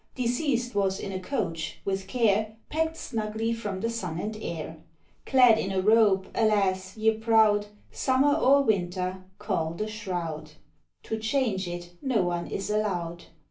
Deceased was in a coach, with care Packed snugly from the sun and air; Clad in a robe, alas! ye proud, Summer or winter, called a shroud; To change it no one is allowed.